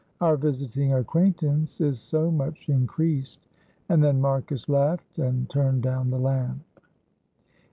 our visiting acquaintance is so much increased," and then Marcus laughed and turned down the lamp.